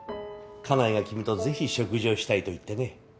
家内が君とぜひ食事をしたいと言ってね。